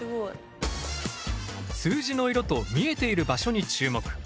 数字の色と見えている場所に注目。